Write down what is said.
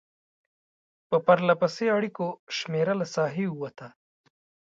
په پرلپسې اړیکو شمېره له ساحې ووته.